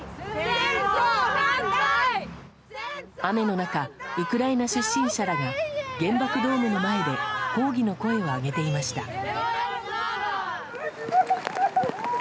雨の中、ウクライナ出身者らが原爆ドームの前で抗議の声を上げていました。